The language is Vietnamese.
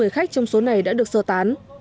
một mươi khách trong số này đã được sơ tán